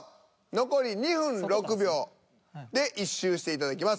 残り２分６秒で１周していただきます。